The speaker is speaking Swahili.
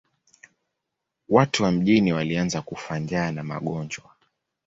Watu wa mjini walianza kufa njaa na magonjwa.